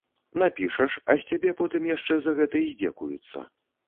Напішаш, а з цябе потым яшчэ за гэта і здзекуюцца.